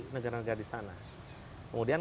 negara negara di sana kemudian